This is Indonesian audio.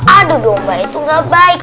adu domba itu nggak baik